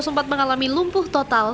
sempat mengalami lumpuh total